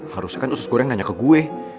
harusnya kan usus goreng nanya ke gue